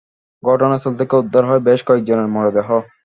ঘটনাস্থল থেকে উদ্ধার হয় বেশ কয়েকজনের মরদেহ।